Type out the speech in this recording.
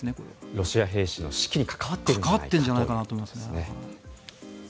ロシア兵士の士気に関わっているのではということですね。